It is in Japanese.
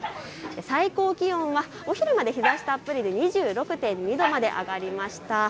最高気温はお昼まで日ざしたっぷりで２６．２度まで上がりました。